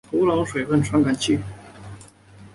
土壤水分传感器。